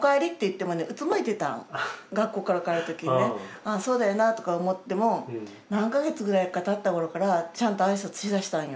ああそうだよなとか思っても何か月ぐらいかたった頃からちゃんと挨拶しだしたんよ。